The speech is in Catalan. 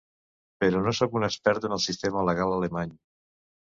Però no sóc un expert en el sistema legal alemany.